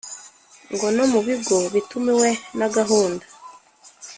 Ngo no mu bigo bituwe na gahunda